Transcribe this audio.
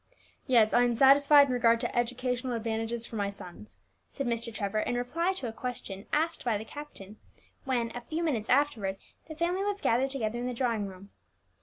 "Yes, I am satisfied in regard to educational advantages for my sons," said Mr. Trevor, in reply to a question asked by the captain, when, a few minutes afterwards, the family were gathered together in the drawing room.